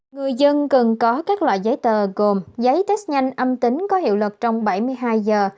người dân cần có các loại giấy tờ gồm giấy test nhanh âm tính có hiệu lực trong bảy mươi hai giờ